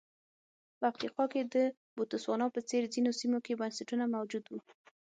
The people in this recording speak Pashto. په افریقا کې د بوتسوانا په څېر ځینو سیمو کې بنسټونه موجود وو.